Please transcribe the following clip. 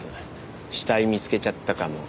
「死体見つけちゃったかも。